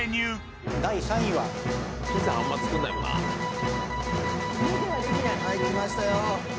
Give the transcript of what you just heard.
はいきましたよ。